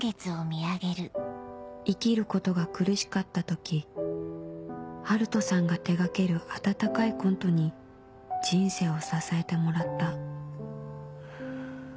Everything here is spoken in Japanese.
生きることが苦しかった時春斗さんが手掛ける温かいコントに人生を支えてもらったフゥ。